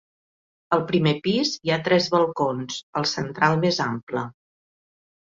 Al primer pis hi ha tres balcons, el central més ample.